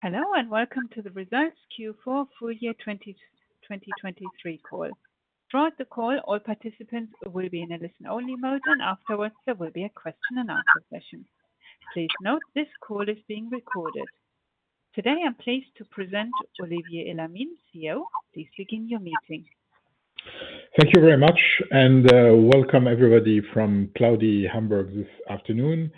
Hello and welcome to the Results Q4 full year 2023 call. Throughout the call, all participants will be in a listen-only mode, and afterwards there will be a question-and-answer session. Please note this call is being recorded. Today I'm pleased to present Olivier Elamine, CEO. Please begin your meeting. Thank you very much, and welcome everybody from cloudy Hamburg this afternoon.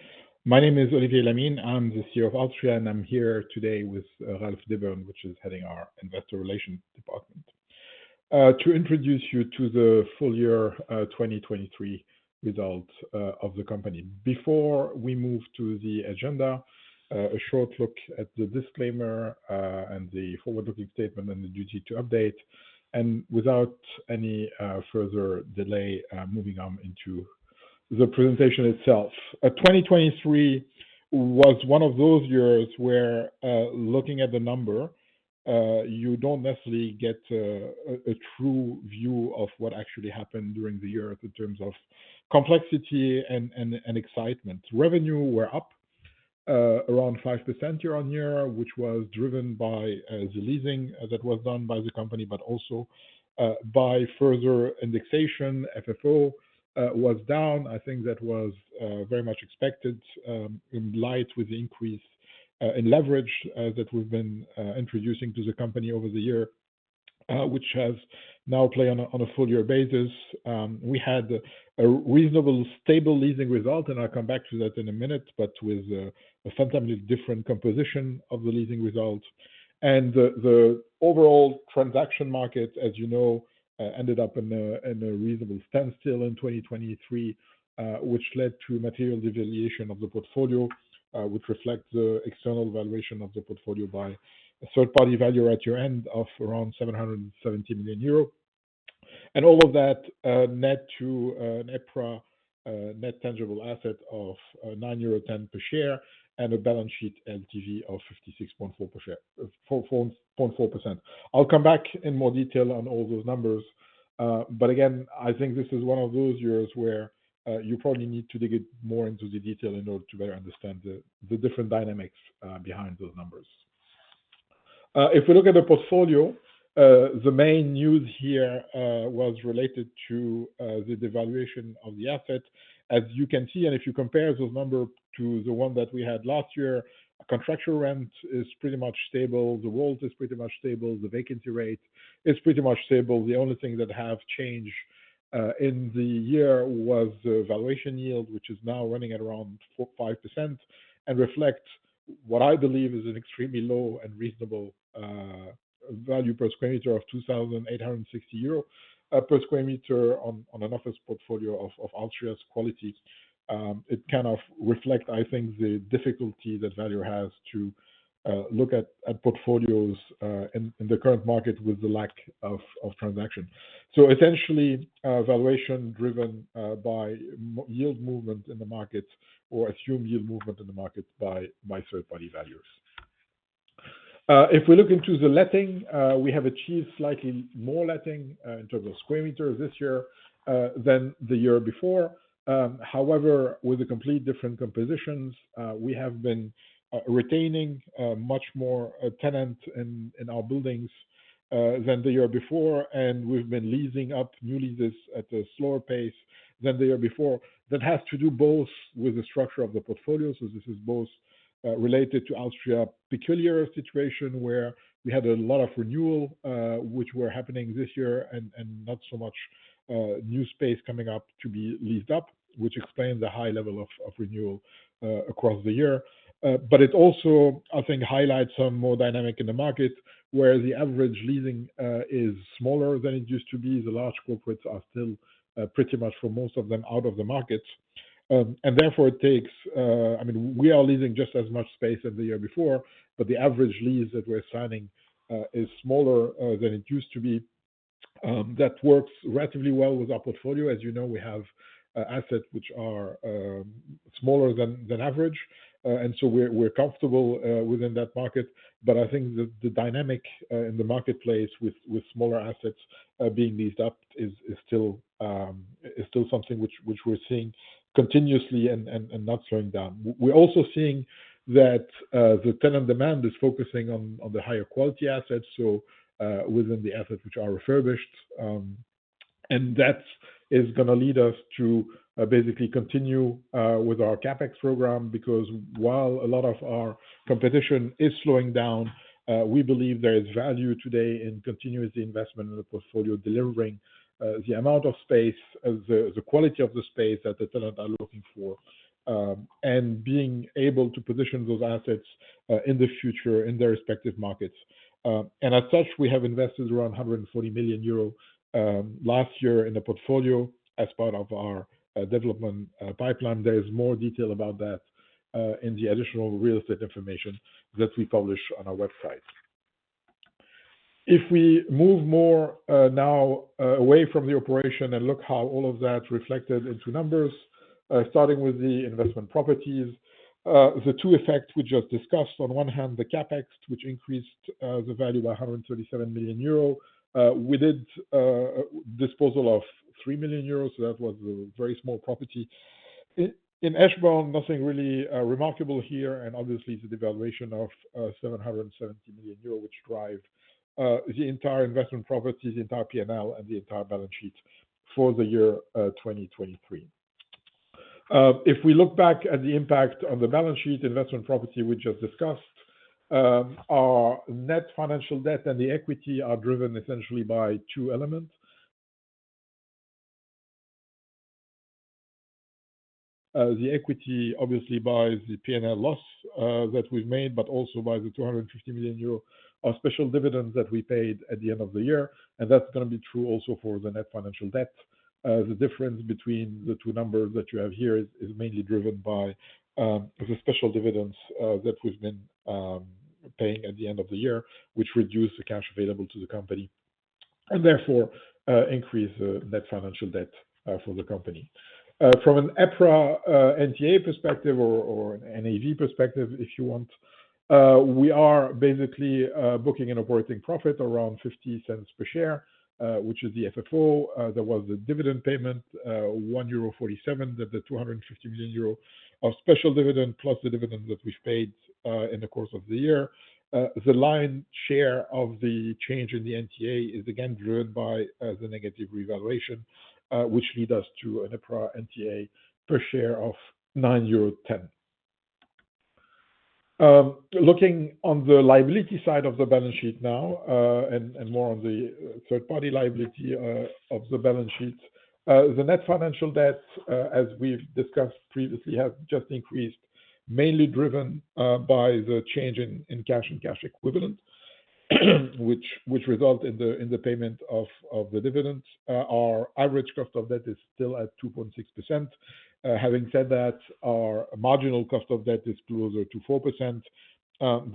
My name is Olivier Elamine, I'm the CEO of alstria, and I'm here today with Ralf Dibbern, which is heading our Investor Relations department. To introduce you to the full year 2023 results of the company. Before we move to the agenda, a short look at the disclaimer and the forward-looking statement and the duty to update. Without any further delay, moving on into the presentation itself. 2023 was one of those years where, looking at the number, you don't necessarily get a true view of what actually happened during the year in terms of complexity and excitement. Revenue were up around 5% year-over-year, which was driven by the leasing that was done by the company, but also by further indexation. FFO was down. I think that was very much expected in line with the increase in leverage that we've been introducing to the company over the year, which has now played out on a full-year basis. We had a reasonable, stable leasing result, and I'll come back to that in a minute, but with a fundamentally different composition of the leasing result. The overall transaction market, as you know, ended up in a reasonable standstill in 2023, which led to material devaluation of the portfolio, which reflects the external valuation of the portfolio by a third-party valuer at year-end of around 770 million euro. And all of that nets to an EPRA net tangible asset of 9.10 euro per share and a balance sheet LTV of 56.4%. I'll come back in more detail on all those numbers. But again, I think this is one of those years where you probably need to dig more into the detail in order to better understand the different dynamics behind those numbers. If we look at the portfolio, the main news here was related to the devaluation of the asset. As you can see, and if you compare those numbers to the one that we had last year, contractual rent is pretty much stable, the WAULT is pretty much stable, the vacancy rate is pretty much stable. The only thing that has changed in the year was the valuation yield, which is now running at around 5% and reflects what I believe is an extremely low and reasonable value per square meter of 2,860 euros per square meter on an office portfolio of alstria's quality. It kind of reflects, I think, the difficulty that valuer has to look at portfolios in the current market with the lack of transaction. So essentially, valuation driven by yield movement in the markets or assume yield movement in the markets by third-party valuers. If we look into the letting, we have achieved slightly more letting in terms of square meters this year than the year before. However, with a completely different compositions, we have been retaining much more tenants in our buildings than the year before, and we've been leasing up new leases at a slower pace than the year before. That has to do both with the structure of the portfolio, so this is both related to alstria's peculiar situation where we had a lot of renewal, which were happening this year, and not so much new space coming up to be leased up, which explains the high level of renewal across the year. But it also, I think, highlights some more dynamic in the market where the average leasing is smaller than it used to be. The large corporates are still pretty much, for most of them, out of the market. And therefore, it takes I mean, we are leasing just as much space as the year before, but the average lease that we're signing is smaller than it used to be. That works relatively well with our portfolio. As you know, we have assets which are smaller than average, and so we're comfortable within that market. I think that the dynamic in the marketplace with smaller assets being leased up is still something which we're seeing continuously and not slowing down. We're also seeing that the tenant demand is focusing on the higher quality assets, so within the assets which are refurbished. That is going to lead us to basically continue with our CapEx program because while a lot of our competition is slowing down, we believe there is value today in continuously investing in the portfolio, delivering the amount of space, the quality of the space that the tenants are looking for, and being able to position those assets in the future in their respective markets. As such, we have invested around 140 million euro last year in the portfolio as part of our development pipeline. There's more detail about that in the additional real estate information that we publish on our website. If we move more now away from the operation and look how all of that reflected into numbers, starting with the investment properties, the two effects we just discussed, on one hand, the CapEx, which increased the value by 137 million euro, with its disposal of 3 million euro, so that was a very small property. In Eschborn, nothing really remarkable here, and obviously the devaluation of 770 million euro, which drives the entire investment property, the entire P&L, and the entire balance sheet for the year 2023. If we look back at the impact on the balance sheet, investment property we just discussed, our net financial debt and the equity are driven essentially by two elements. The equity obviously buys the P&L loss that we've made, but also buys the 250 million euro special dividends that we paid at the end of the year. That's going to be true also for the net financial debt. The difference between the two numbers that you have here is mainly driven by the special dividends that we've been paying at the end of the year, which reduce the cash available to the company and therefore increase the net financial debt for the company. From an EPRA NTA perspective or an NAV perspective, if you want, we are basically booking an operating profit around 0.50 per share, which is the FFO. There was the dividend payment, 1.47 euro, the 250 million euro of special dividend plus the dividends that we've paid in the course of the year. The lion's share of the change in the NTA is again driven by the negative revaluation, which leads us to an EPRA NTA per share of 9.10 euro. Looking on the liability side of the balance sheet now and more on the third-party liability of the balance sheet, the net financial debt, as we've discussed previously, has just increased, mainly driven by the change in cash and cash equivalent, which result in the payment of the dividends. Our average cost of debt is still at 2.6%. Having said that, our marginal cost of debt is closer to 4%.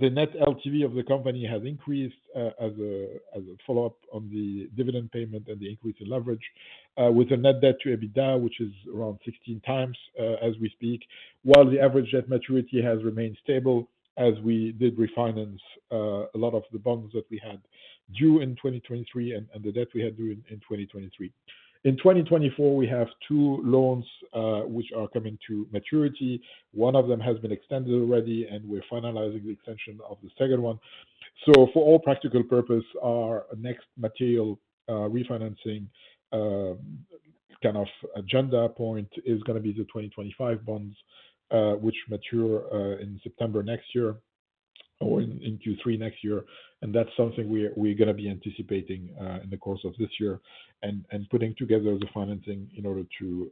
The net LTV of the company has increased as a follow-up on the dividend payment and the increase in leverage, with a net debt to EBITDA, which is around 16x as we speak, while the average debt maturity has remained stable as we did refinance a lot of the bonds that we had due in 2023 and the debt we had due in 2023. In 2024, we have two loans which are coming to maturity. One of them has been extended already, and we're finalizing the extension of the second one. So for all practical purposes, our next material refinancing kind of agenda point is going to be the 2025 bonds, which mature in September next year or in Q3 next year. And that's something we're going to be anticipating in the course of this year and putting together the financing in order to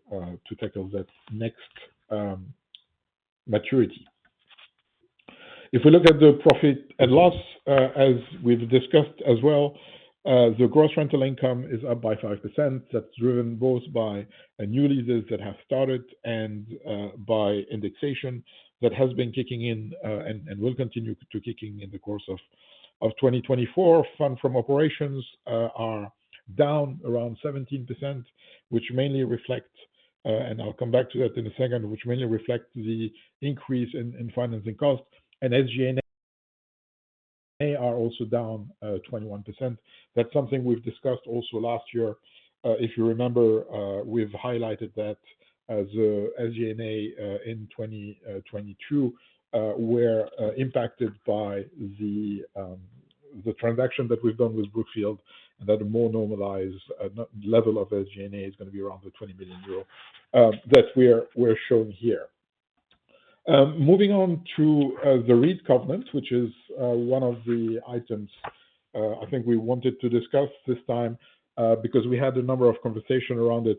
tackle that next maturity. If we look at the profit and loss, as we've discussed as well, the gross rental income is up by 5%. That's driven both by new leases that have started and by indexation that has been kicking in and will continue to kick in in the course of 2024. Funds from operations are down around 17%, which mainly reflect and I'll come back to that in a second, which mainly reflect the increase in financing cost. SG&A are also down 21%. That's something we've discussed also last year. If you remember, we've highlighted that the SG&A in 2022 were impacted by the transaction that we've done with Brookfield, and that a more normalized level of SG&A is going to be around the 20 million euro that we're showing here. Moving on to the REIT covenant, which is one of the items I think we wanted to discuss this time because we had a number of conversations around it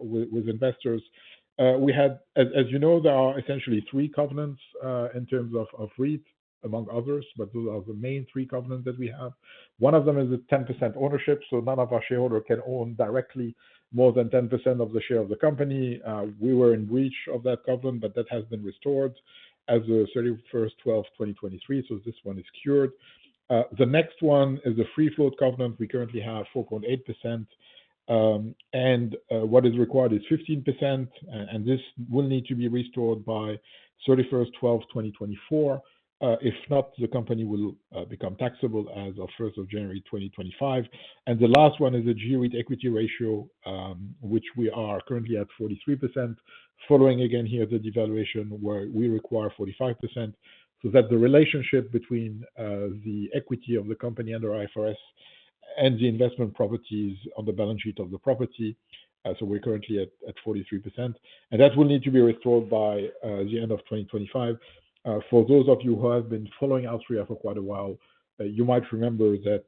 with investors. As you know, there are essentially three covenants in terms of REIT, among others, but those are the main three covenants that we have. One of them is a 10% ownership, so none of our shareholders can own directly more than 10% of the share of the company. We were in breach of that covenant, but that has been restored as of December 31st, 2023, so this one is cured. The next one is the free float covenant. We currently have 4.8%, and what is required is 15%, and this will need to be restored by December 31st, 2024. If not, the company will become taxable as of January 1st, 2025. The last one is the G-REIT equity ratio, which we are currently at 43%, following again here the devaluation where we require 45%, so that the relationship between the equity of the company under IFRS and the investment properties on the balance sheet of the property so we're currently at 43%. And that will need to be restored by the end of 2025. For those of you who have been following alstria for quite a while, you might remember that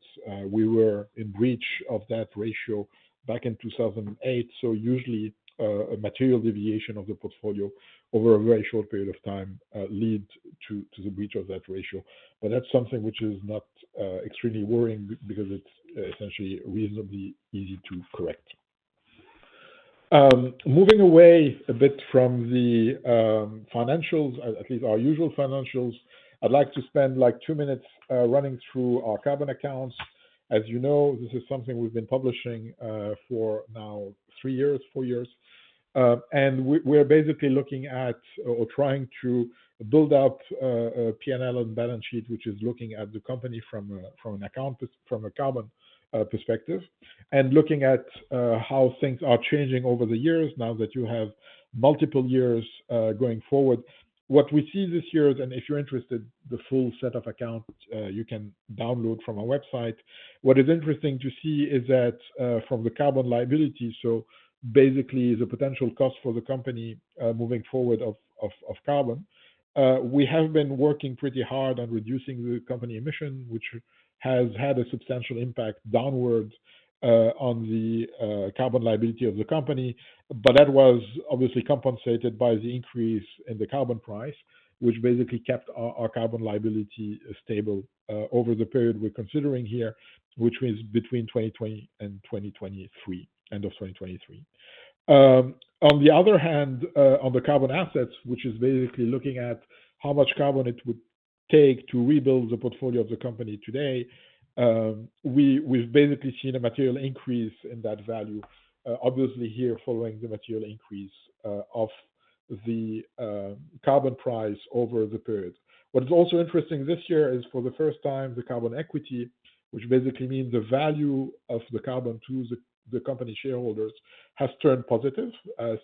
we were in breach of that ratio back in 2008. So usually, a material deviation of the portfolio over a very short period of time leads to the breach of that ratio. But that's something which is not extremely worrying because it's essentially reasonably easy to correct. Moving away a bit from the financials, at least our usual financials, I'd like to spend two minutes running through our carbon accounts. As you know, this is something we've been publishing for now three years, four years. And we're basically looking at or trying to build up a P&L and balance sheet, which is looking at the company from an account from a carbon perspective and looking at how things are changing over the years now that you have multiple years going forward. What we see this year is, and if you're interested, the full set of accounts you can download from our website. What is interesting to see is that from the carbon liability, so basically the potential cost for the company moving forward of carbon, we have been working pretty hard on reducing the company emissions, which has had a substantial impact downward on the carbon liability of the company. But that was obviously compensated by the increase in the carbon price, which basically kept our carbon liability stable over the period we're considering here, which is between 2020 and 2023, end of 2023. On the other hand, on the carbon assets, which is basically looking at how much carbon it would take to rebuild the portfolio of the company today, we've basically seen a material increase in that value, obviously here following the material increase of the carbon price over the period. What's also interesting this year is, for the first time, the carbon equity, which basically means the value of the carbon to the company shareholders, has turned positive.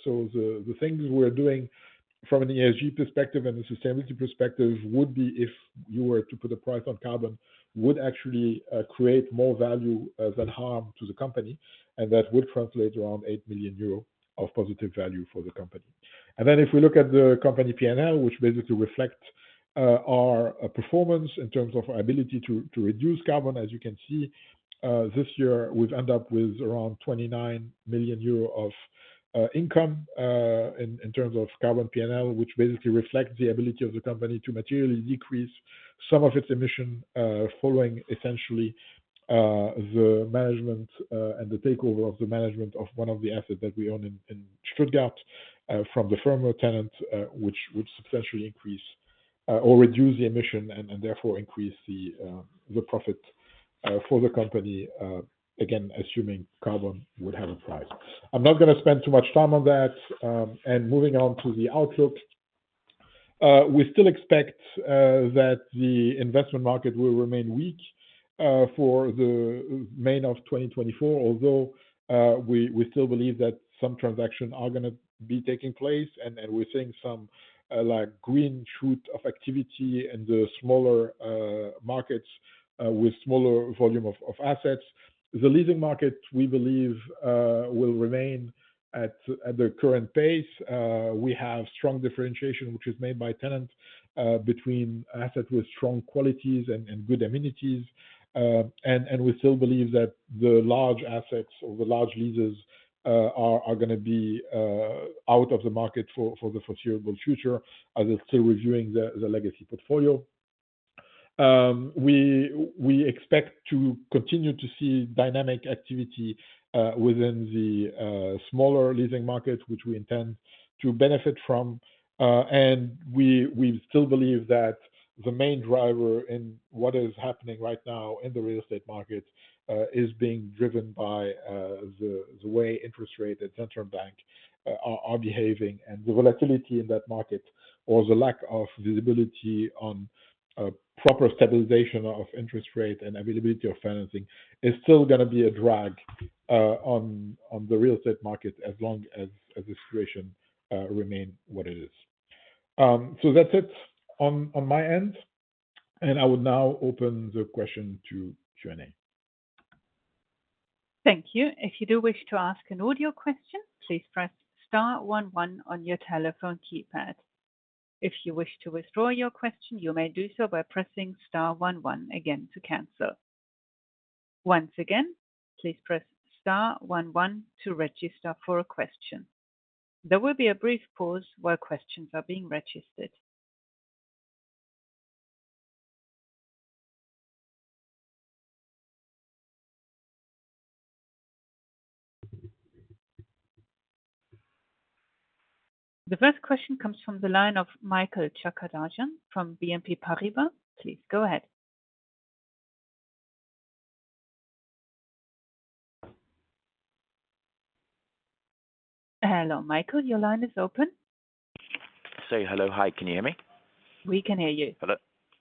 So the things we're doing from an ESG perspective and a sustainability perspective would be, if you were to put a price on carbon, would actually create more value than harm to the company, and that would translate around 8 million euro of positive value for the company. And then if we look at the company P&L, which basically reflects our performance in terms of our ability to reduce carbon, as you can see, this year, we've ended up with around 29 million euro of income in terms of carbon P&L, which basically reflects the ability of the company to materially decrease some of its emission following essentially the management and the takeover of the management of one of the assets that we own in Stuttgart from the former tenant, which substantially increase or reduce the emission and therefore increase the profit for the company, again, assuming carbon would have a price. I'm not going to spend too much time on that. Moving on to the outlook, we still expect that the investment market will remain weak for the remainder of 2024, although we still believe that some transactions are going to be taking place, and we're seeing some green shoots of activity in the smaller markets with smaller volume of assets. The leasing market, we believe, will remain at the current pace. We have strong differentiation, which is made by tenants between assets with strong qualities and good amenities. And we still believe that the large assets or the large leases are going to be out of the market for the foreseeable future as they're still reviewing the legacy portfolio. We expect to continue to see dynamic activity within the smaller leasing market, which we intend to benefit from. We still believe that the main driver in what is happening right now in the real estate market is being driven by the way interest rate at the central bank are behaving, and the volatility in that market or the lack of visibility on proper stabilization of interest rate and availability of financing is still going to be a drag on the real estate market as long as the situation remains what it is. So that's it on my end. And I would now open the question to Q&A. Thank you. If you do wish to ask an audio question, please press star one one on your telephone keypad. If you wish to withdraw your question, you may do so by pressing star one one again to cancel. Once again, please press star one one to register for a question. There will be a brief pause while questions are being registered. The first question comes from the line of Michael Chakardjian from BNP Paribas. Please go ahead. Hello, Michael. Your line is open. Say hello. Hi. Can you hear me? We can hear you.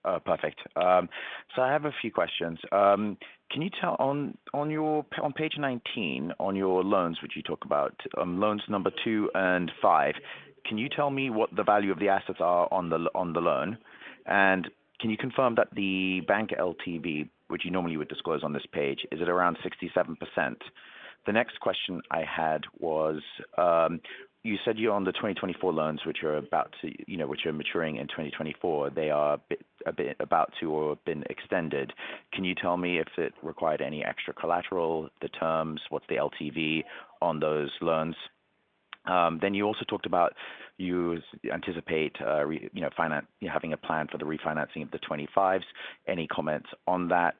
Perfect. So I have a few questions. Can you tell on Page 19 on your loans, which you talk about, loans number 2 and loans number 5, can you tell me what the value of the assets are on the loan? And can you confirm that the bank LTV, which you normally would disclose on this page, is it around 67%? The next question I had was, you said you're on the 2024 loans, which are maturing in 2024. They are about to or have been extended. Can you tell me if it required any extra collateral, the terms, what's the LTV on those loans? Then you also talked about you anticipate having a plan for the refinancing of the 2025s. Any comments on that?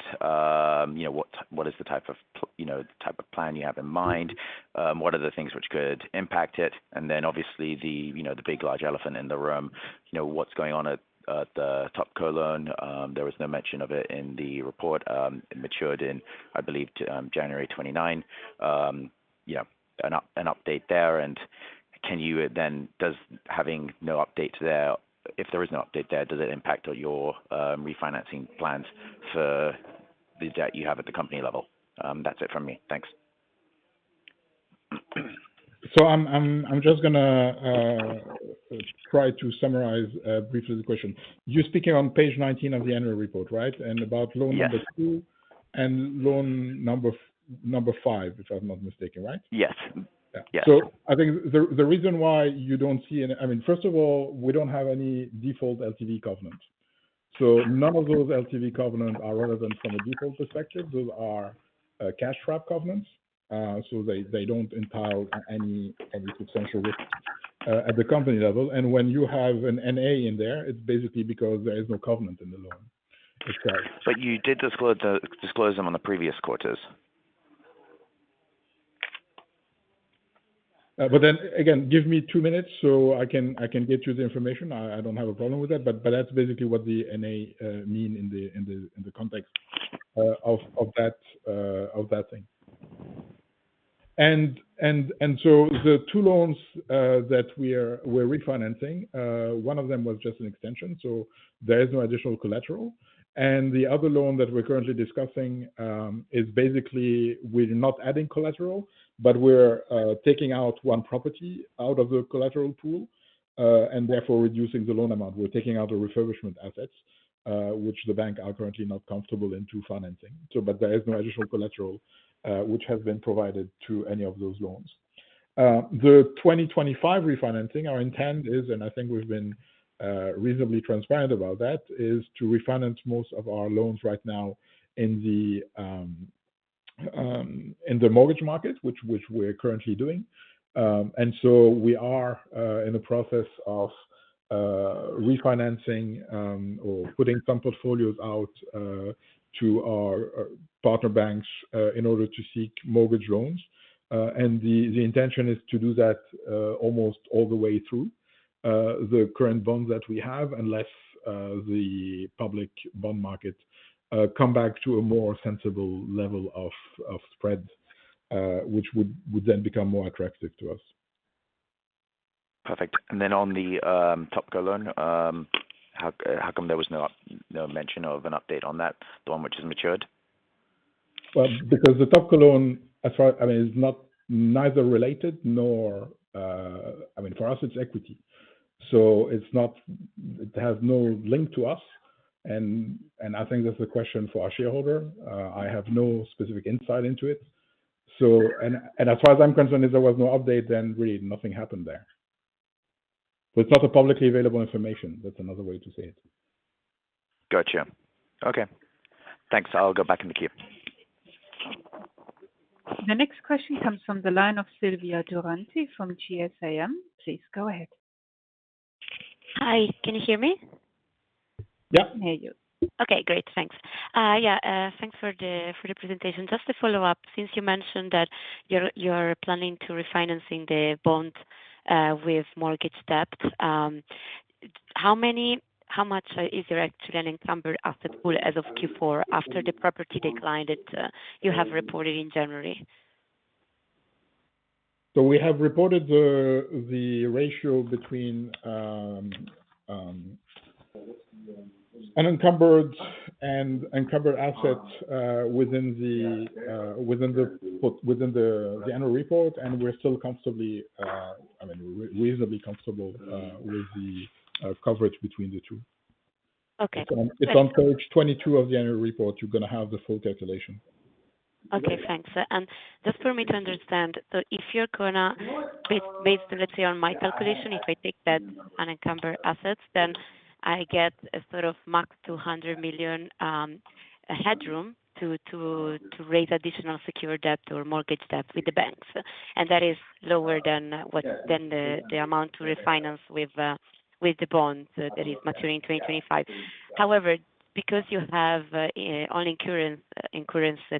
What is the type of plan you have in mind? What are the things which could impact it? And then obviously, the big large elephant in the room, what's going on at the topco loan? There was no mention of it in the report. It matured in, I believe, January 29th. Yeah, an update there. And can you then does having no update there if there is no update there, does it impact your refinancing plans for the debt you have at the company level? That's it from me. Thanks. So I'm just going to try to summarize briefly the question. You're speaking on Page 19 of the annual report, right? And about loan number 2 and loan number 5, if I'm not mistaken, right? Yes. So I think the reason why you don't see any—I mean, first of all, we don't have any default LTV covenants. So none of those LTV covenants are relevant from a default perspective. Those are cash trap covenants. So they don't entail any substantial risk at the company level. And when you have an N/A in there, it's basically because there is no covenant in the loan. But you did disclose them on the previous quarters. But then again, give me two minutes so I can get you the information. I don't have a problem with that. But that's basically what the NA mean in the context of that thing. And so the two loans that we're refinancing, one of them was just an extension, so there is no additional collateral. And the other loan that we're currently discussing is basically we're not adding collateral, but we're taking out one property out of the collateral pool and therefore reducing the loan amount. We're taking out the refurbishment assets, which the bank are currently not comfortable into financing. But there is no additional collateral, which has been provided to any of those loans. The 2025 refinancing, our intent is, and I think we've been reasonably transparent about that, is to refinance most of our loans right now in the mortgage market, which we're currently doing. We are in the process of refinancing or putting some portfolios out to our partner banks in order to seek mortgage loans. The intention is to do that almost all the way through the current bonds that we have unless the public bond market come back to a more sensible level of spread, which would then become more attractive to us. Perfect. Then on the top co-loan, how come there was no mention of an update on that, the one which has matured? Well, because the top co-loan, I mean, is not neither related nor I mean, for us, it's equity. So it has no link to us. And I think that's a question for our shareholder. I have no specific insight into it. And as far as I'm concerned, if there was no update, then really nothing happened there. But it's not a publicly available information. That's another way to say it. Gotcha. Okay. Thanks. I'll go back in the queue. The next question comes from the line of Silvia Durante from GSAM. Please go ahead. Hi. Can you hear me? Yeah. I can hear you. Okay. Great. Thanks. Yeah. Thanks for the presentation. Just to follow up, since you mentioned that you're planning to refinance the bond with mortgage debt, how much is there actually an encumbered asset pool as of Q4 after the property decline that you have reported in January? We have reported the ratio between an encumbered asset within the annual report. We're still comfortably I mean, reasonably comfortable with the coverage between the two. It's on Page 22 of the annual report. You're going to have the full calculation. Okay. Thanks. And just for me to understand, so if you're going to base, let's say, on my calculation, if I take that unencumbered assets, then I get a sort of max 200 million headroom to raise additional secured debt or mortgage debt with the banks. And that is lower than the amount to refinance with the bond that is maturing in 2025. However, because you have only current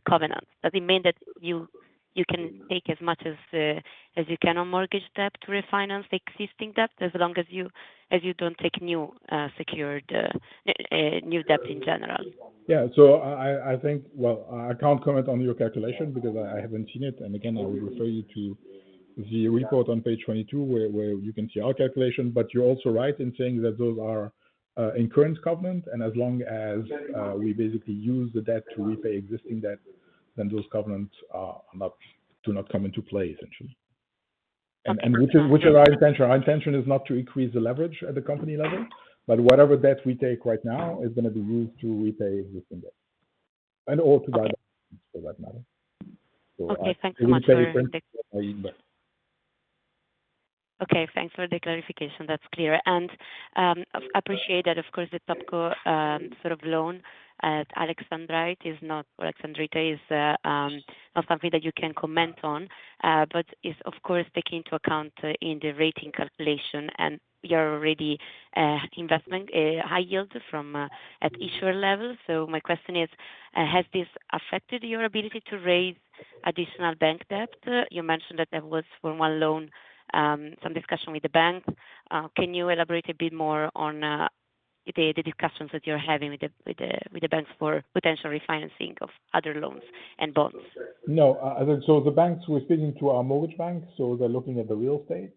covenants, does it mean that you can take as much as you can on mortgage debt to refinance existing debt as long as you don't take new secured debt in general? Yeah. So I think, well, I can't comment on your calculation because I haven't seen it. And again, I would refer you to the report on Page 22 where you can see our calculation. But you're also right in saying that those are incurrent covenants. And as long as we basically use the debt to repay existing debt, then those covenants do not come into play, essentially. And which is our intention. Our intention is not to increase the leverage at the company level, but whatever debt we take right now is going to be used to repay existing debt and/or to buy back loans, for that matter. Okay. Thanks so much, Dexne. Okay. Thanks for the clarification. That's clear. And I appreciate that, of course, the top co sort of loan at Alexandrite is not or Alexandrite is not something that you can comment on, but is, of course, taken into account in the rating calculation. And you're already issuing high yields at issuer level. So my question is, has this affected your ability to raise additional bank debt? You mentioned that there was, for one loan, some discussion with the bank. Can you elaborate a bit more on the discussions that you're having with the banks for potential refinancing of other loans and bonds? No. So the banks, we're speaking to our mortgage bank. So they're looking at the real estate,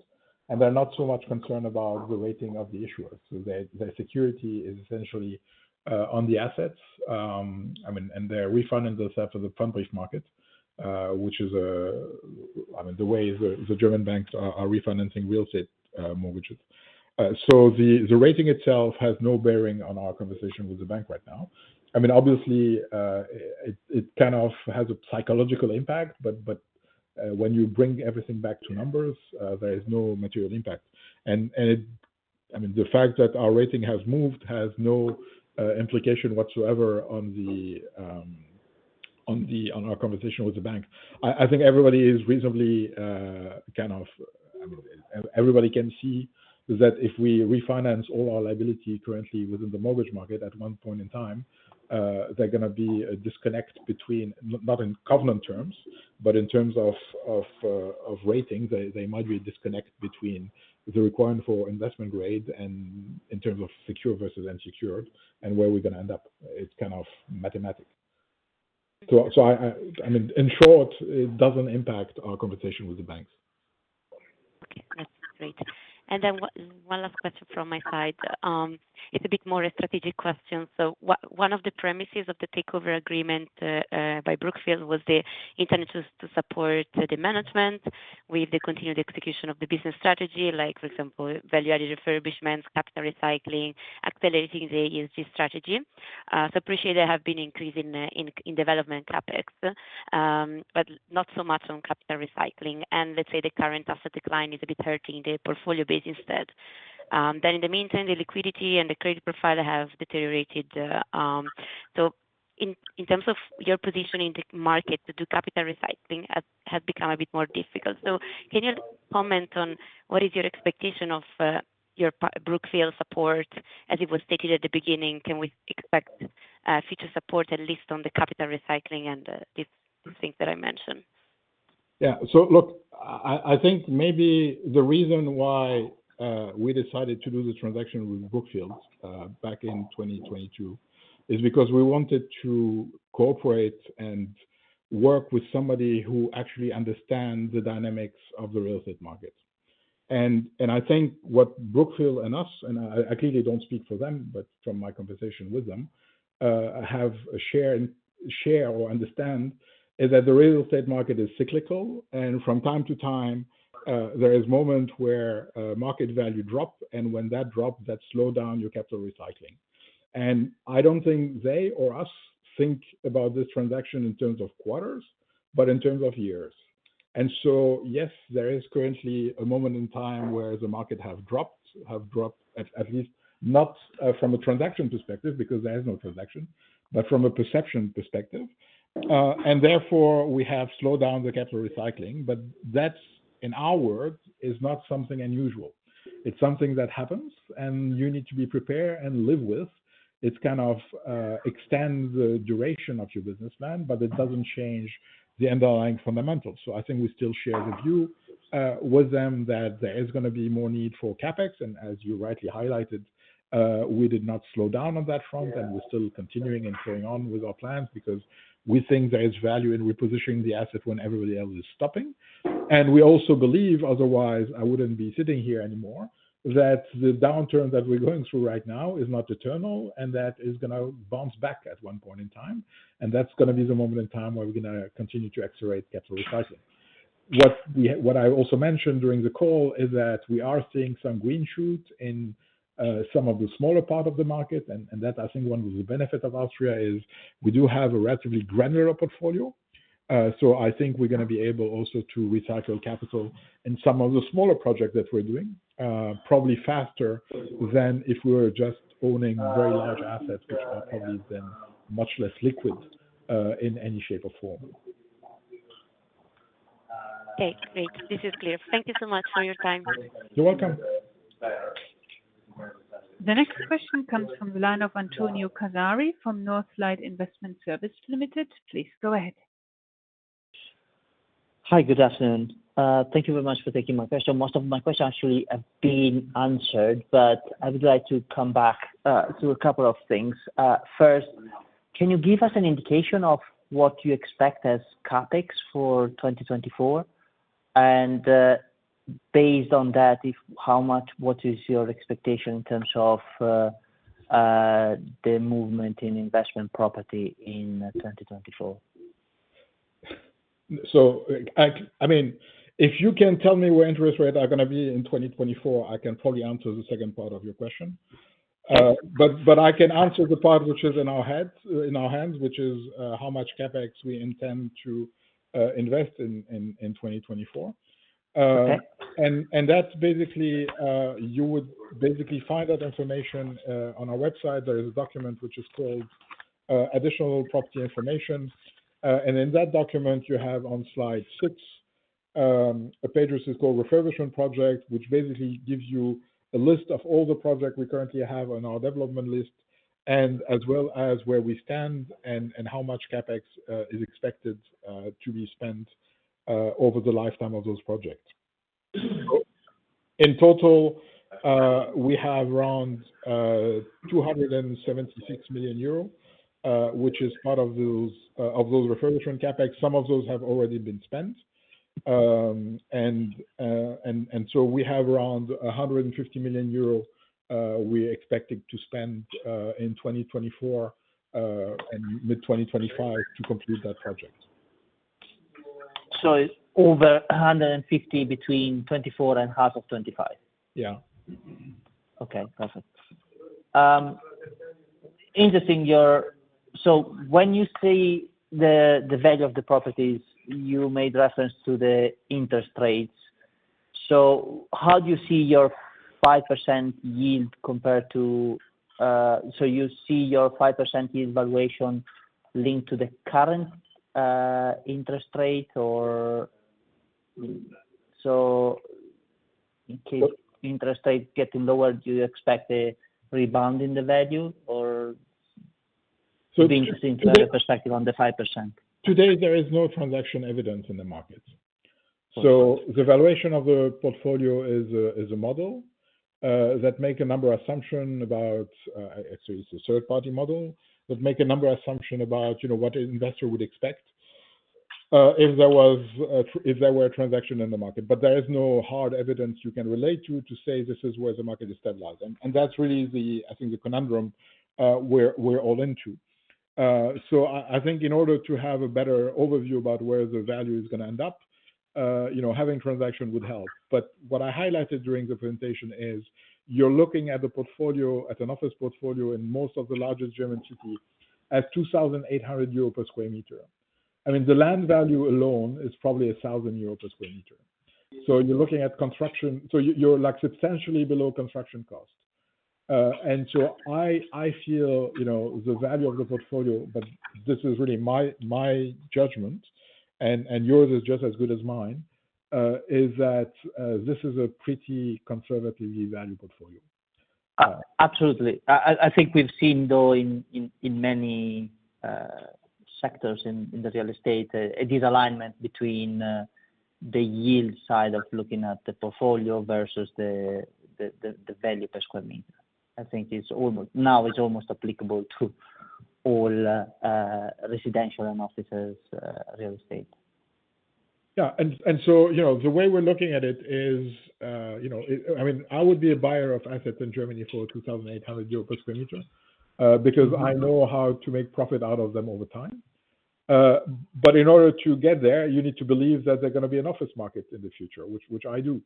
and they're not so much concerned about the rating of the issuers. So their security is essentially on the assets. I mean, and they're refinancing themselves via the Pfandbrief market, which is, I mean, the way the German banks are refinancing real estate mortgages. So the rating itself has no bearing on our conversation with the bank right now. I mean, obviously, it kind of has a psychological impact, but when you bring everything back to numbers, there is no material impact. And I mean, the fact that our rating has moved has no implication whatsoever on our conversation with the bank. I think everybody is reasonably kind of—I mean, everybody can see that if we refinance all our liability currently within the mortgage market at one point in time, there's going to be a disconnect between not in covenant terms, but in terms of rating; there might be a disconnect between the requirement for investment grade and in terms of secure versus unsecured and where we're going to end up. It's kind of mathematical. So I mean, in short, it doesn't impact our conversation with the banks. Great. And then one last question from my side. It's a bit more a strategic question. So one of the premises of the takeover agreement by Brookfield was the intention to support the management with the continued execution of the business strategy, like, for example, value-added refurbishments, capital recycling, accelerating the ESG strategy. So I appreciate there have been increases in development CapEx, but not so much on capital recycling. And let's say the current asset decline is a bit hurting the portfolio base instead. Then in the meantime, the liquidity and the credit profile have deteriorated. So in terms of your position in the market to do capital recycling, it has become a bit more difficult. So can you comment on what is your expectation of your Brookfield support? As it was stated at the beginning, can we expect future support at least on the capital recycling and these things that I mentioned? Yeah. So look, I think maybe the reason why we decided to do the transaction with Brookfield back in 2022 is because we wanted to cooperate and work with somebody who actually understands the dynamics of the real estate market. And I think what Brookfield and us and I clearly don't speak for them, but from my conversation with them, have a share or understand is that the real estate market is cyclical. And from time to time, there is a moment where market value drops. And when that drops, that slows down your capital recycling. And I don't think they or us think about this transaction in terms of quarters, but in terms of years. And so yes, there is currently a moment in time where the market has dropped, at least not from a transaction perspective because there is no transaction, but from a perception perspective. And therefore, we have slowed down the capital recycling. But that, in our world, is not something unusual. It's something that happens, and you need to be prepared and live with. It kind of extends the duration of your business plan, but it doesn't change the underlying fundamentals. So I think we still share the view with them that there is going to be more need for CapEx. And as you rightly highlighted, we did not slow down on that front, and we're still continuing and carrying on with our plans because we think there is value in repositioning the asset when everybody else is stopping. And we also believe, otherwise, I wouldn't be sitting here anymore, that the downturn that we're going through right now is not eternal and that it's going to bounce back at one point in time. And that's going to be the moment in time where we're going to continue to accelerate capital recycling. What I also mentioned during the call is that we are seeing some green shoots in some of the smaller parts of the market. And that, I think, one of the benefits of alstria is we do have a relatively granular portfolio. So I think we're going to be able also to recycle capital in some of the smaller projects that we're doing, probably faster than if we were just owning very large assets, which are probably then much less liquid in any shape or form. Okay. Great. This is clear. Thank you so much for your time. You're welcome. The next question comes from the line of Antonio Cazzari from Northlight Investment Service Limited. Please go ahead. Hi. Good afternoon. Thank you very much for taking my question. Most of my questions actually have been answered, but I would like to come back to a couple of things. First, can you give us an indication of what you expect as CapEx for 2024? And based on that, what is your expectation in terms of the movement in investment property in 2024? So I mean, if you can tell me where interest rates are going to be in 2024, I can probably answer the second part of your question. But I can answer the part which is in our heads, which is how much CapEx we intend to invest in 2024. And that's basically you would basically find that information on our website. There is a document which is called Additional Property Information. And in that document, you have on slide six a page which is called Refurbishment Project, which basically gives you a list of all the projects we currently have on our development list, and as well as where we stand and how much CapEx is expected to be spent over the lifetime of those projects. In total, we have around 276 million euro, which is part of those refurbishment CapEx. Some of those have already been spent. And so we have around 150 million euros we expected to spend in 2024 and mid-2025 to complete that project. So it's over 150 between 2024 and half of 2025? Yeah. Okay. Perfect. Interesting. So when you say the value of the properties, you made reference to the interest rates. So how do you see your 5% yield compared to so you see your 5% yield valuation linked to the current interest rate, or? So in case interest rates get lower, do you expect a rebound in the value, or? It'd be interesting to have a perspective on the 5%. Today, there is no transaction evidence in the markets. So the valuation of the portfolio is a model that makes a number of assumptions about actually, it's a third-party model that makes a number of assumptions about what an investor would expect if there were a transaction in the market. But there is no hard evidence you can relate to to say, "This is where the market is stabilized." And that's really, I think, the conundrum we're all into. So I think in order to have a better overview about where the value is going to end up, having transaction would help. But what I highlighted during the presentation is you're looking at the portfolio, at an office portfolio in most of the largest German city, as 2,800 euro per square meter. I mean, the land value alone is probably 1,000 euro per square meter. You're looking at construction, so you're substantially below construction cost. And so I feel the value of the portfolio, but this is really my judgment, and yours is just as good as mine, is that this is a pretty conservatively valued portfolio. Absolutely. I think we've seen, though, in many sectors in the real estate, a disalignment between the yield side of looking at the portfolio versus the value per square meter. I think now it's almost applicable to all residential and offices' real estate. Yeah. So the way we're looking at it is I mean, I would be a buyer of assets in Germany for 2,800 euros per square meter because I know how to make profit out of them over time. But in order to get there, you need to believe that there's going to be an office market in the future, which I do.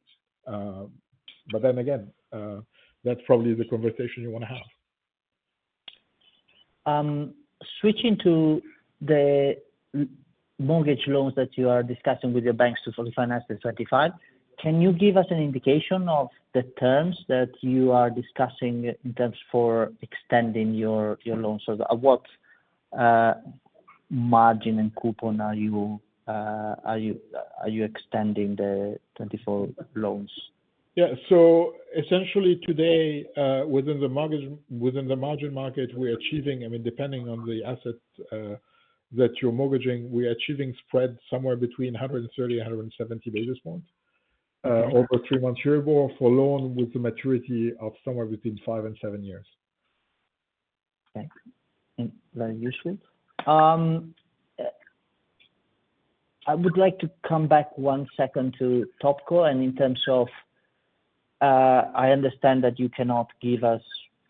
But then again, that's probably the conversation you want to have. Switching to the mortgage loans that you are discussing with your banks to refinance in 2025, can you give us an indication of the terms that you are discussing in terms for extending your loans? So what margin and coupon are you extending the 2024 loans? Yeah. So essentially, today, within the mortgage market, we're achieving—I mean, depending on the asset that you're mortgaging— we're achieving spreads somewhere between 130 basis points and 170 basis points over 3-month Euribor for a loan with a maturity of somewhere between five and seven years. Okay. Very useful. I would like to come back one second to Topco. And in terms of, I understand that you cannot give us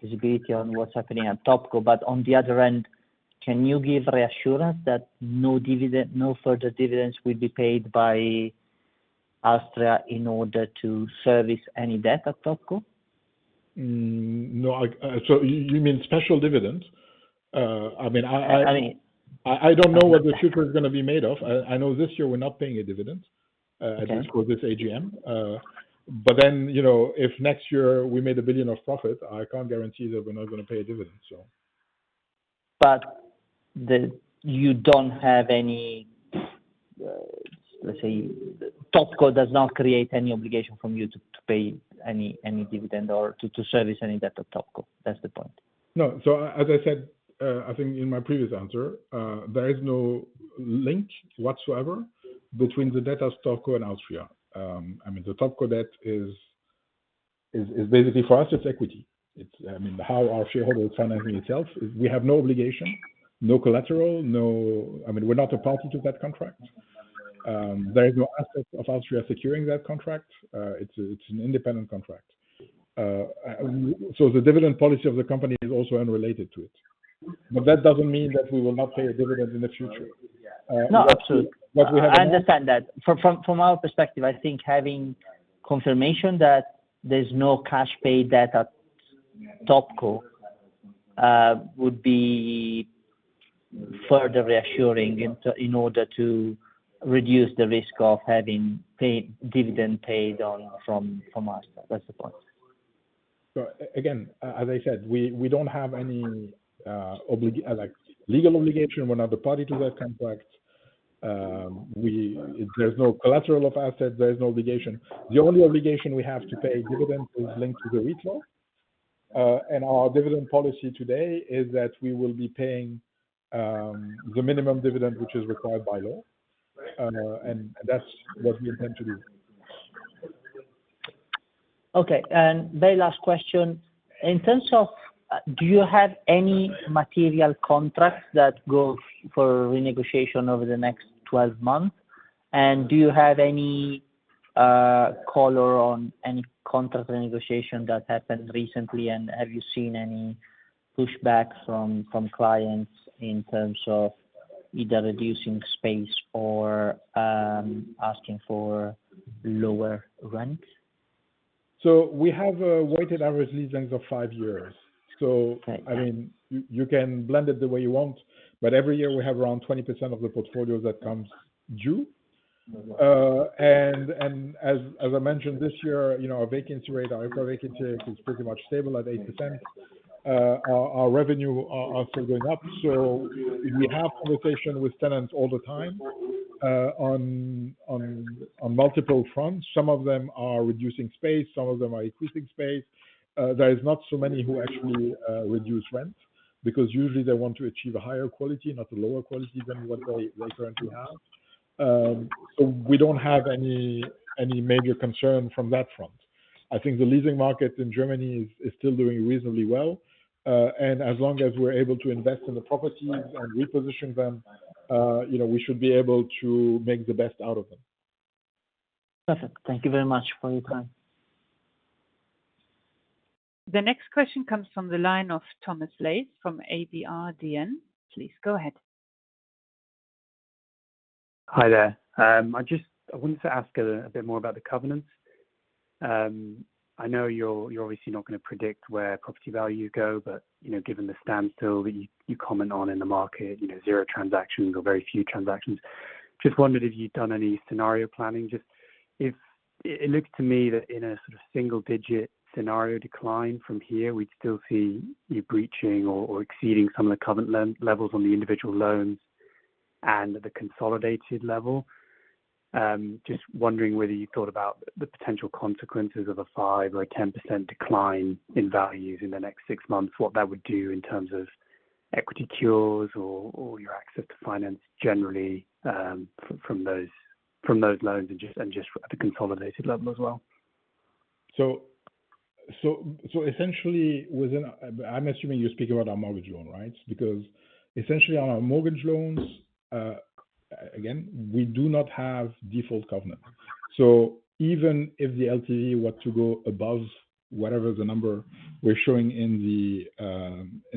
visibility on what's happening at Topco. But on the other end, can you give reassurance that no further dividends will be paid by alstria in order to service any debt at Topco? No. So you mean special dividends? I mean, I don't know what the future is going to be made of. I know this year, we're not paying a dividend at least for this AGM. But then if next year we made 1 billion of profit, I can't guarantee that we're not going to pay a dividend, so. But you don't have any, let's say, Topco does not create any obligation from you to pay any dividend or to service any debt at Topco. That's the point. No. So as I said, I think in my previous answer, there is no link whatsoever between the debt of Topco and alstria. I mean, the Topco debt is basically for us, it's equity. I mean, how our shareholder is financing itself is we have no obligation, no collateral. I mean, we're not a party to that contract. There is no asset of alstria securing that contract. It's an independent contract. So the dividend policy of the company is also unrelated to it. But that doesn't mean that we will not pay a dividend in the future. No, absolutely. I understand that. From our perspective, I think having confirmation that there's no cash-paid debt at Topco would be further reassuring in order to reduce the risk of having dividend paid from alstria. That's the point. Again, as I said, we don't have any legal obligation. We're not a party to that contract. There's no collateral of assets. There's no obligation. The only obligation we have to pay dividends is linked to the REIT law. Our dividend policy today is that we will be paying the minimum dividend which is required by law. That's what we intend to do. Okay. Very last question. In terms of do you have any material contracts that go for renegotiation over the next 12 months? And do you have any color on any contract renegotiation that happened recently? And have you seen any pushback from clients in terms of either reducing space or asking for lower rent? So we have a weighted average lease length of five years. So I mean, you can blend it the way you want. But every year, we have around 20% of the portfolio that comes due. And as I mentioned, this year, our vacancy rate, our upper vacancy rate, is pretty much stable at 8%. Our revenue are still going up. So we have conversation with tenants all the time on multiple fronts. Some of them are reducing space. Some of them are increasing space. There are not so many who actually reduce rent because usually, they want to achieve a higher quality, not a lower quality than what they currently have. So we don't have any major concern from that front. I think the leasing market in Germany is still doing reasonably well. As long as we're able to invest in the properties and reposition them, we should be able to make the best out of them. Perfect. Thank you very much for your time. The next question comes from the line of Thomas Lace from abrdn. Please go ahead. Hi there. I wanted to ask a bit more about the covenants. I know you're obviously not going to predict where property value go. But given the standstill that you comment on in the market, zero transactions or very few transactions, just wondered if you'd done any scenario planning. It looks to me that in a sort of single-digit scenario decline from here, we'd still see you breaching or exceeding some of the covenant levels on the individual loans and the consolidated level. Just wondering whether you thought about the potential consequences of a 5% or a 10% decline in values in the next six months, what that would do in terms of equity cures or your access to finance generally from those loans and just at the consolidated level as well. So essentially, within, I'm assuming you're speaking about our mortgage loan, right? Because essentially, on our mortgage loans, again, we do not have default covenants. So even if the LTV were to go above whatever the number we're showing in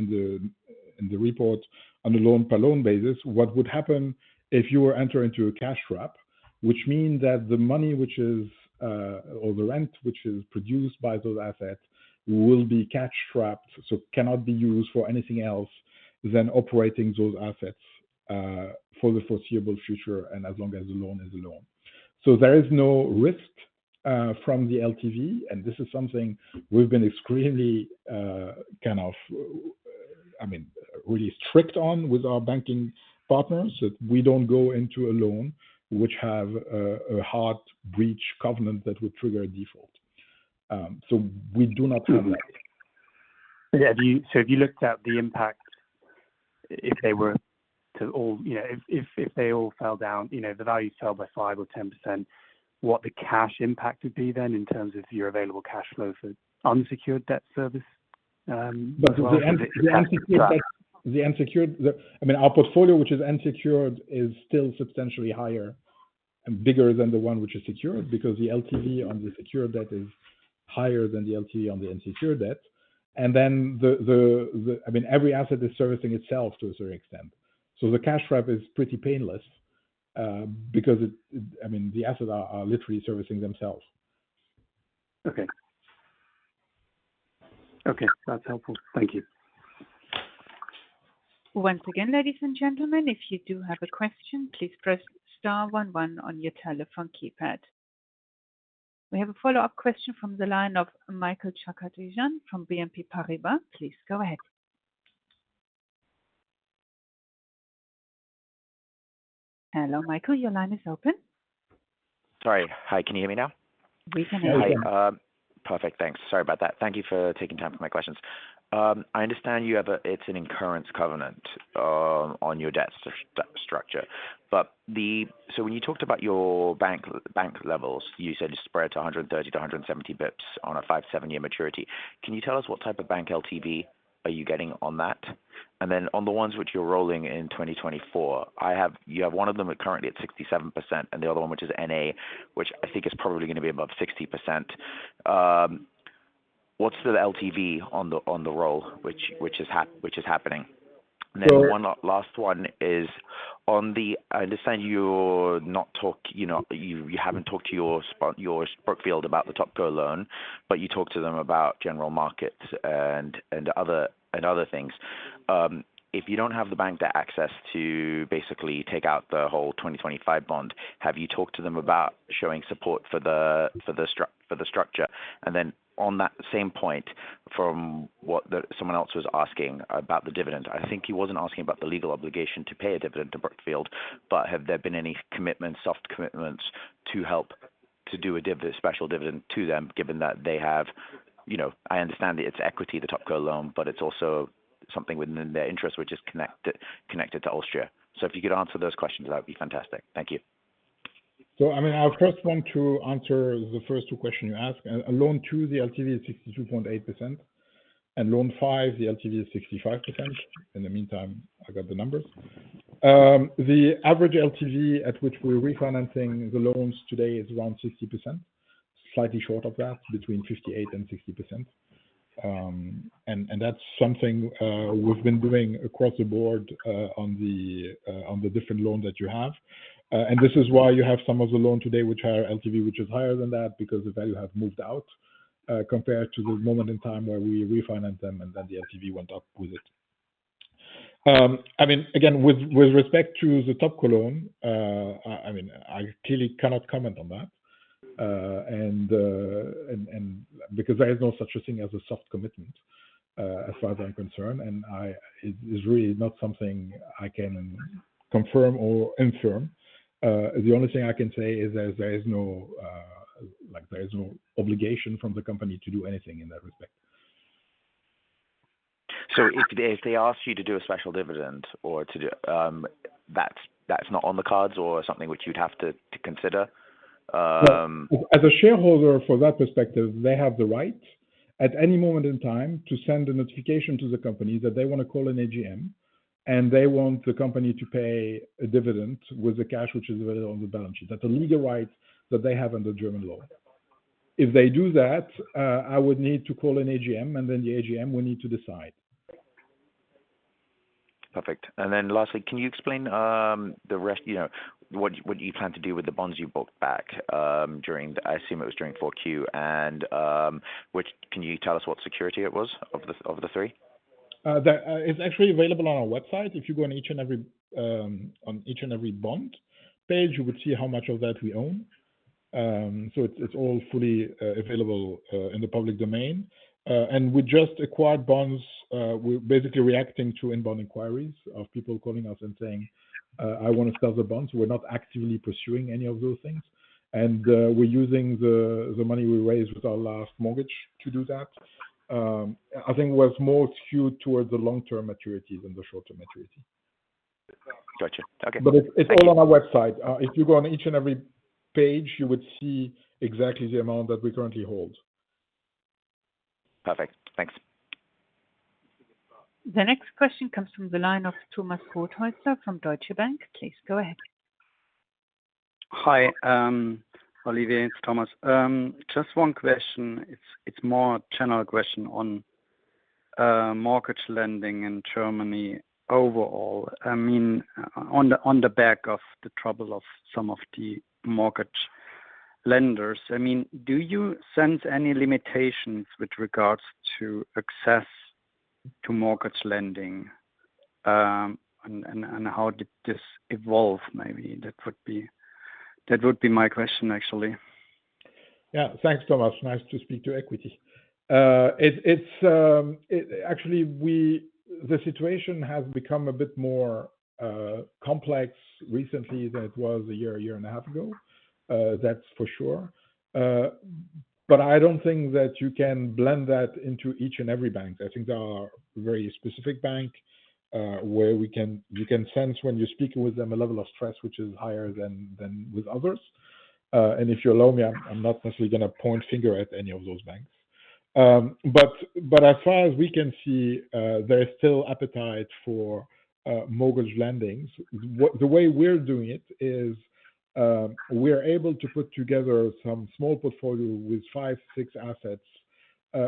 the report on the loan-per-loan basis, what would happen if you were entering to a cash trap, which means that the money which is or the rent which is produced by those assets will be cash trapped, so cannot be used for anything else than operating those assets for the foreseeable future and as long as the loan is a loan. So there is no risk from the LTV. And this is something we've been extremely kind of, I mean, really strict on with our banking partners that we don't go into a loan which have a hard breach covenant that would trigger a default. We do not have that. Yeah. So if you looked at the impact, if they all fell down, the values fell by 5% or 10%, what the cash impact would be then in terms of your available cash flow for unsecured debt service as well? The unsecured debt, I mean, our portfolio, which is unsecured, is still substantially higher and bigger than the one which is secured because the LTV on the secured debt is higher than the LTV on the unsecured debt. And then, I mean, every asset is servicing itself to a certain extent. So the cash trap is pretty painless because it, I mean, the assets are literally servicing themselves. Okay. Okay. That's helpful. Thank you. Once again, ladies and gentlemen, if you do have a question, please press star one one on your telephone keypad. We have a follow-up question from the line of Michael Chakardjian from BNP Paribas. Please go ahead. Hello, Michael. Your line is open. Sorry. Hi. Can you hear me now? We can hear you. Perfect. Thanks. Sorry about that. Thank you for taking time for my questions. I understand it's an incurrence covenant on your debt structure. So when you talked about your bank levels, you said it spread to 130 basis points-170 basis points on a 5-year-7-year maturity. Can you tell us what type of bank LTV are you getting on that? And then on the ones which you're rolling in 2024, you have one of them currently at 67% and the other one which is NA, which I think is probably going to be above 60%. What's the LTV on the roll which is happening? And then one last one is on the. I understand you're not talking. You haven't talked to your Brookfield about the Topco loan, but you talked to them about general markets and other things. If you don't have the bank that has access to basically take out the whole 2025 bond, have you talked to them about showing support for the structure? And then on that same point, from what someone else was asking about the dividend, I think he wasn't asking about the legal obligation to pay a dividend to Brookfield, but have there been any commitments, soft commitments, to help to do a special dividend to them given that they have I understand that it's equity, the Topco loan, but it's also something within their interests which is connected to alstria. So if you could answer those questions, that would be fantastic. Thank you. So I mean, I first want to answer the first two questions you asked. Loan number 2, the LTV is 62.8%. And loan number 5, the LTV is 65%. In the meantime, I got the numbers. The average LTV at which we're refinancing the loans today is around 60%, slightly short of that, between 58% and 60%. And that's something we've been doing across the board on the different loans that you have. And this is why you have some of the loan today which are LTV which is higher than that because the value has moved out compared to the moment in time where we refinanced them and then the LTV went up with it. I mean, again, with respect to the Topco loan, I mean, I clearly cannot comment on that because there is no such a thing as a soft commitment as far as I'm concerned. It's really not something I can confirm or infirm. The only thing I can say is there is no obligation from the company to do anything in that respect. So if they ask you to do a special dividend or to do that, that's not on the cards or something which you'd have to consider? As a shareholder, from that perspective, they have the right at any moment in time to send a notification to the company that they want to call an AGM and they want the company to pay a dividend with the cash which is available on the balance sheet. That's a legal right that they have under German law. If they do that, I would need to call an AGM, and then the AGM, we need to decide. Perfect. Then lastly, can you explain the rest what you plan to do with the bonds you bought back during, I assume it was during 4Q. Can you tell us what security it was of the three? It's actually available on our website. If you go on each and every bond page, you would see how much of that we own. So it's all fully available in the public domain. And with just acquired bonds, we're basically reacting to inbound inquiries of people calling us and saying, "I want to sell the bonds." We're not actively pursuing any of those things. And we're using the money we raised with our last mortgage to do that. I think it was more skewed towards the long-term maturities and the short-term maturity. Gotcha. Okay. But it's all on our website. If you go on each and every page, you would see exactly the amount that we currently hold. Perfect. Thanks. The next question comes from the line of Thomas Rothäusler from Deutsche Bank. Please go ahead. Hi, Olivier. It's Thomas. Just one question. It's more a general question on mortgage lending in Germany overall. I mean, on the back of the trouble of some of the mortgage lenders, I mean, do you sense any limitations with regards to access to mortgage lending? And how did this evolve, maybe? That would be my question, actually. Yeah. Thanks, Thomas. Nice to speak to equity. Actually, the situation has become a bit more complex recently than it was a year, a year and a half ago. That's for sure. But I don't think that you can blend that into each and every bank. I think there are very specific banks where you can sense when you're speaking with them a level of stress which is higher than with others. And if you'll allow me, I'm not necessarily going to point a finger at any of those banks. But as far as we can see, there is still appetite for mortgage lendings. The way we're doing it is we're able to put together some small portfolio with five, six assets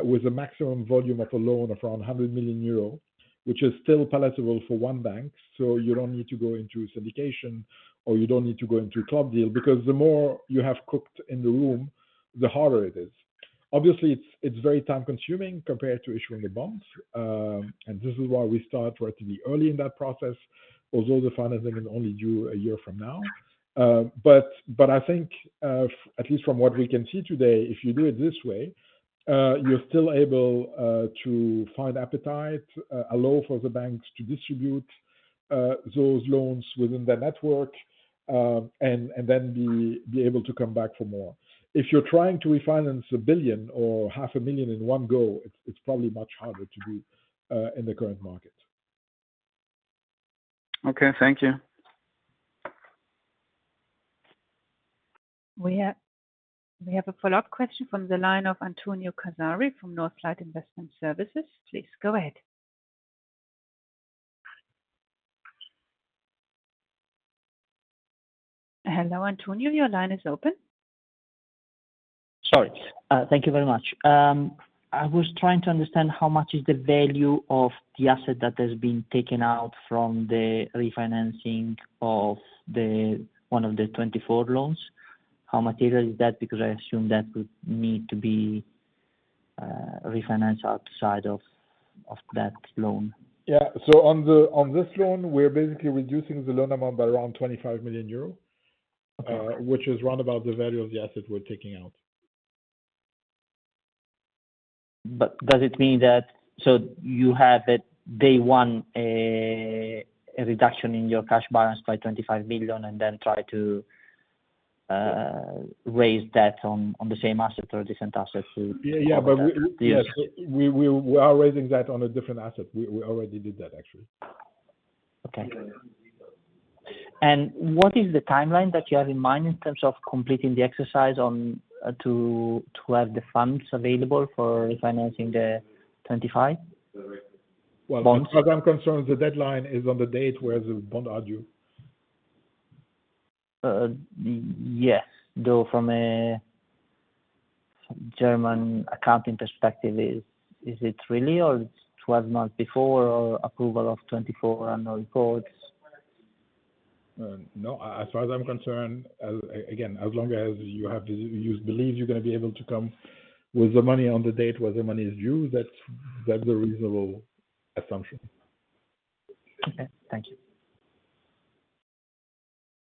with a maximum volume of a loan of around 100 million euro, which is still palatable for one bank. So you don't need to go into syndication or you don't need to go into a club deal because the more you have cooked in the room, the harder it is. Obviously, it's very time-consuming compared to issuing the bonds. And this is why we start relatively early in that process, although the financing can only do a year from now. But I think, at least from what we can see today, if you do it this way, you're still able to find appetite, allow for the banks to distribute those loans within that network, and then be able to come back for more. If you're trying to refinance 1 billion or 500,000 in one go, it's probably much harder to do in the current market. Okay. Thank you. We have a follow-up question from the line of Antonio Cazzari from Northlight Investment Services. Please go ahead. Hello, Antonio. Your line is open. Sorry. Thank you very much. I was trying to understand how much is the value of the asset that has been taken out from the refinancing of one of the 24 loans? How material is that? Because I assume that would need to be refinanced outside of that loan. Yeah. So on this loan, we're basically reducing the loan amount by around 25 million euros, which is roundabout the value of the asset we're taking out. Does it mean that so you have it day one, a reduction in your cash balance by 25 million, and then try to raise debt on the same asset or different assets? Yeah. Yeah. But yes, we are raising debt on a different asset. We already did that, actually. Okay. What is the timeline that you have in mind in terms of completing the exercise to have the funds available for refinancing the 2025 bonds? Well, as far as I'm concerned, the deadline is on the date where the bond are due. Yes. Though from a German accounting perspective, is it really or it's 12 months before or approval of 2024 annual reports? No. As far as I'm concerned, again, as long as you believe you're going to be able to come with the money on the date where the money is due, that's a reasonable assumption. Okay. Thank you.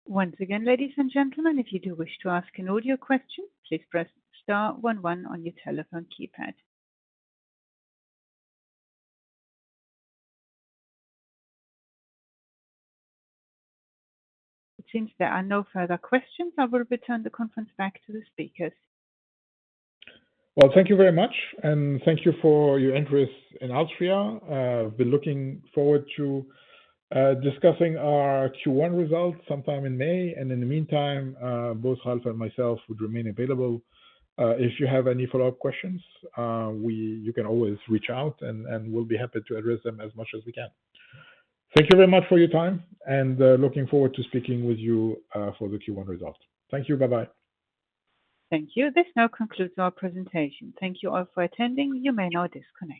Once again, ladies and gentlemen, if you do wish to ask an audio question, please press star 11 on your telephone keypad. It seems there are no further questions. I will return the conference back to the speakers. Well, thank you very much. Thank you for your interest in alstria. I've been looking forward to discussing our Q1 results sometime in May. In the meantime, both Ralf and myself would remain available. If you have any follow-up questions, you can always reach out, and we'll be happy to address them as much as we can. Thank you very much for your time, and looking forward to speaking with you for the Q1 result. Thank you. Bye-bye. Thank you. This now concludes our presentation. Thank you all for attending. You may now disconnect.